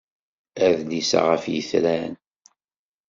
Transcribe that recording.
Adlis-a ɣef yitran.